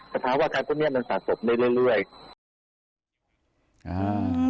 แต่ถ้าว่าครั้งคุณเนี่ยมันสาสมได้เรื่อย